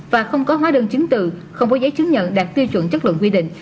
và không có hóa đơn chứng từ không có giấy chứng nhận đạt tiêu chuẩn chất lượng quy định